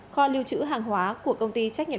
kho lưu trữ hàng hóa của công ty trách nhiệm